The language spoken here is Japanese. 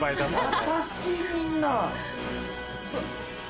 優しいみんな。